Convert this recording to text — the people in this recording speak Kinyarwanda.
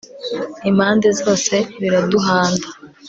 impande zose biraduhanda